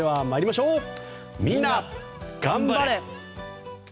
みんながん晴れ！